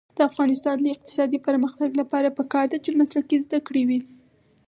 د افغانستان د اقتصادي پرمختګ لپاره پکار ده چې مسلکي زده کړې وي.